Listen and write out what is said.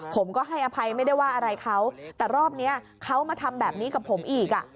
ผมก็ให้อภัยไม่ได้ว่าอะไรเขาแต่รอบนี้เขามาทำแบบนี้กับผมอีกอ่ะ